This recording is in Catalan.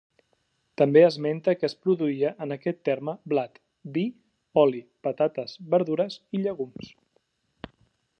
També esmenta què es produïa en aquest terme: blat, vi, oli, patates, verdures i llegums.